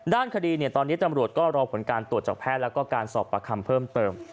ด้านคดีตอนนี้ตำรวจก็รอผลการตรวจจากแพทย์แล้วก็การสอบประคำเพิ่มเติม